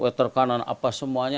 weather kanan apa semuanya